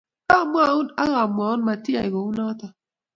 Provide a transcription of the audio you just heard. Kamwaun ak amwaun matiyai kou notok